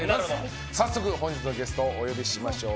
早速、本日のゲストお呼びしましょう。